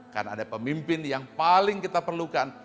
karena ada pemimpin yang paling kita perlukan